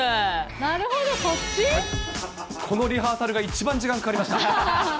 なるほど、このリハーサルが一番時間かかりました。